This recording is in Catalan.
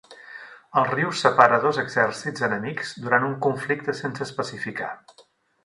El riu separa dos exèrcits enemics durant un conflicte sense especificar.